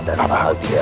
dan bahagia di alam